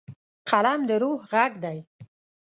قلم د روح غږ دی.